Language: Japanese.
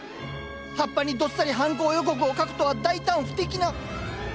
葉っぱにどっさり犯行予告を描くとは大胆不敵な。